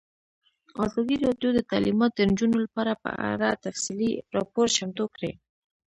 ازادي راډیو د تعلیمات د نجونو لپاره په اړه تفصیلي راپور چمتو کړی.